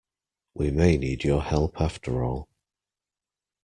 We may need your help after all.